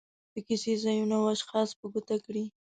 د کیسې ځایونه او اشخاص په ګوته کړي.